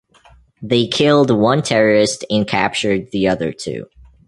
They killed one terrorist and captured the other two.